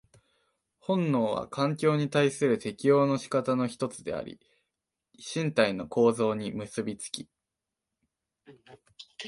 本能は環境に対する適応の仕方の一つであり、身体の構造に結び付き、